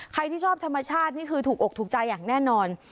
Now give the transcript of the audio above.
ใครที่ชอบธรรมชาตินี่คือถูกอกถูกใจอย่างแน่นอน